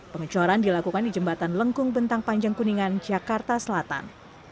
pengecoran dilakukan di jembatan lengkung bentang panjang kuningan jakarta selatan